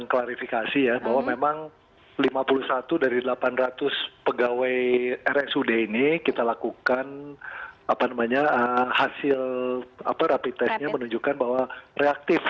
dan klarifikasi ya bahwa memang lima puluh satu dari delapan ratus pegawai rsud ini kita lakukan hasil rapid testnya menunjukkan bahwa reaktif